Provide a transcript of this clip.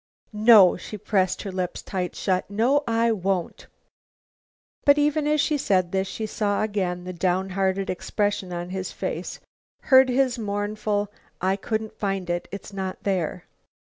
"No," she pressed her lips tight shut, "no, I won't." But even as she said this, she saw again the downhearted expression on his face, heard his mournful, "I couldn't find it. It's not there."